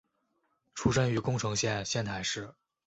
出身于宫城县仙台市。